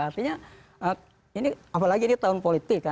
artinya ini apalagi ini tahun politik